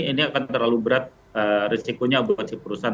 ini akan terlalu berat risikonya buat si perusahaan